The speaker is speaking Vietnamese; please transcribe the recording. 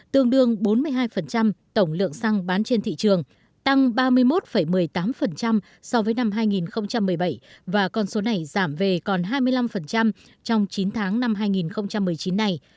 tương đương bốn mươi hai tổng lượng xăng bán trên thị trường tăng ba mươi một một mươi tám so với năm hai nghìn một mươi bảy và con số này giảm về còn hai mươi năm trong chín tháng năm hai nghìn một mươi chín này